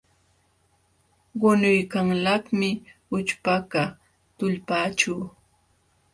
Qunuykanlaqmi ućhpakaq tullpaaćhu.